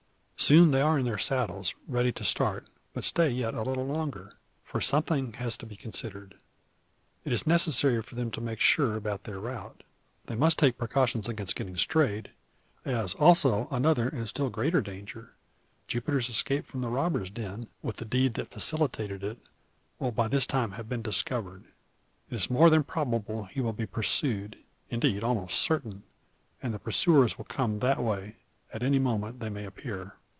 Soon they are in their saddles, ready to start; but stay yet a little longer. For something has to be considered. It is necessary for them to make sure about their route. They must take precautions against getting strayed, as also another and still greater danger. Jupiter's escape from the robbers' den, with the deed that facilitated it, will by this have been discovered. It is more than probable he will be pursued; indeed almost certain. And the pursuers will come that way; at any moment they may appear.